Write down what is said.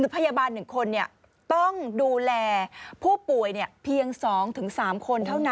พยาบาล๑คนต้องดูแลผู้ป่วยเพียง๒๓คนเท่านั้น